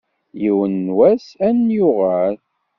Yiwen n wass ad n-yuɣal.